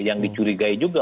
yang dicurigai juga